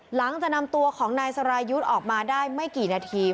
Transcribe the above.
หลังจากนำตัวของนายสรายุทธ์ออกมาได้ไม่กี่นาที